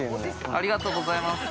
ありがとうございます。